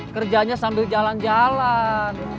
kerjanya sambil jalan jalan